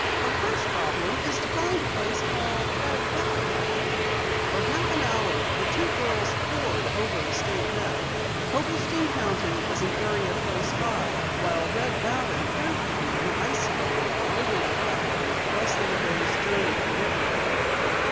Our first problem is to find a place called Red Valley." For a half hour the two girls poured over a state map. Hobostein County was an area close by, while Red Valley proved to be an isolated little locality less than a day's journey from Riverview.